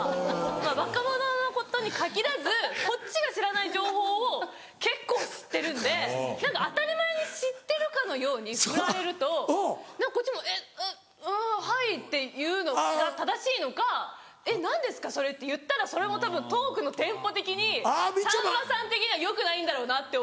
まぁ若者のことに限らずこっちが知らない情報を結構知ってるんで当たり前に知ってるかのようにふられるとこっちも「えっうんはい」って言うのが正しいのか「えっ何ですかそれ」って言ったらそれもたぶんトークのテンポ的にさんまさん的にはよくないんだろうなって思うから。